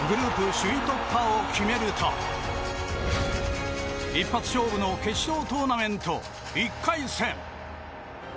首位突破を決めると一発勝負の決勝トーナメント１回戦。